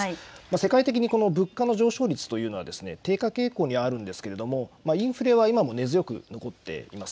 世界的に物価の上昇率というのは低下傾向にあるんですけれどもインフレは今も根強く残っています。